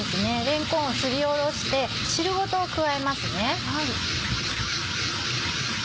れんこんをすりおろして汁ごと加えますね。